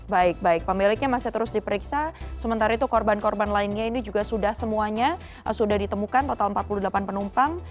baik baik pemiliknya masih terus diperiksa sementara itu korban korban lainnya ini juga sudah semuanya sudah ditemukan total empat puluh delapan penumpang